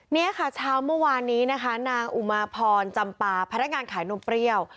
เนี่ยค่ะเช้าเมื่อวานนี้นะคะนางอุมาพรจำปาพนักงานขายนมเปรี้ยว